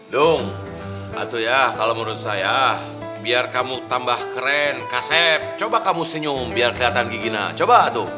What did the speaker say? dung itu ya kalau menurut saya biar kamu tambah keren kaset coba kamu senyum biar kelihatan seperti ini coba tuh